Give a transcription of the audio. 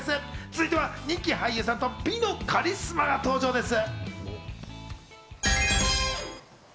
続いては人気俳優さんと美のカリスマが登場です。